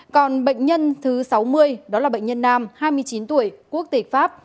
còn bệnh nhân thứ sáu mươi đó là bệnh nhân nam hai mươi chín tuổi quốc tịch pháp